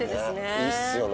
いいっすよね。